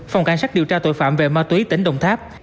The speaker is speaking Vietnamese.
phòng cảnh sát điều tra tội phạm về ma túy tỉnh đồng tháp